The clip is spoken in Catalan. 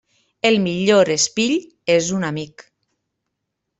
El millor espill és un amic.